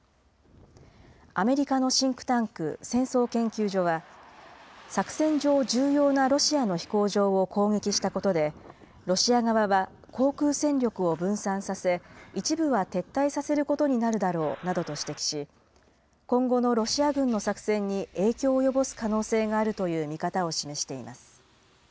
アメリカのシンクタンク、戦争研究所は、作戦上重要なロシアの飛行場を攻撃したことで、ロシア側は航空戦力を分散させ、一部は撤退させることになるだろうなどと指摘し、今後のロシア軍の作戦に影響を及ぼす可能性があるという見方を示しています。